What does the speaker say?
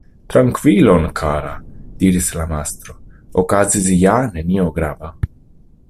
"Trankvilon, kara!" diris la mastro "okazis ja nenio grava".